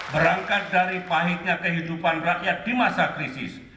berangkat dari pahitnya kehidupan rakyat di masa krisis